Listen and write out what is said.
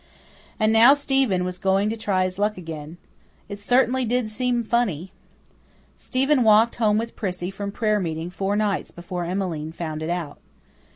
And now Stephen was going to try his luck again. It certainly did seem funny. Stephen walked home with Prissy from prayer meeting four nights before Emmeline found it out.